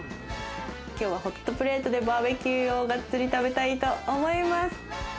きょうはホットプレートでバーベキューをガッツリ食べたいと思います。